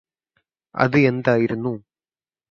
അത് എന്തായിരുന്നു